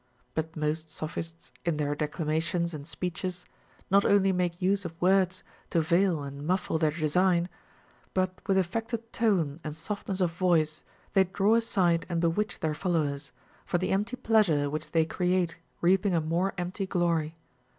But most Sophists in their declamations and speeches not only make use of words to veil and muffle their design ; but with affected tone and softness of voice they draw aside and bewitch their follow ers, for the empty pleasure Avhich they create reaping a more empty glory.